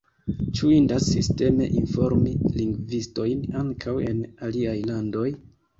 Ĉu indas sisteme informi lingvistojn ankaŭ en aliaj landoj?